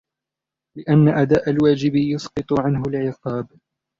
لِأَنَّ أَدَاءَ الْوَاجِبِ يُسْقِطُ عَنْهُ الْعِقَابَ